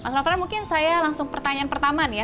mas nofran mungkin saya langsung pertanyaan pertama nih ya